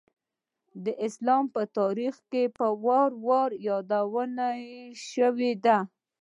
د اسلام په تاریخ کې په وار وار یادونه شوېده.